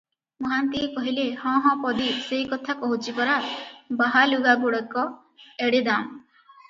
ମହାନ୍ତିଏ କହିଲେ-ହଁ ହଁ ପଦୀ, ସେଇ କଥା କହୁଛି ପରା, ବାହା ଲୁଗାଗୁଡ଼ାକ ଏଡେ ଦାମ!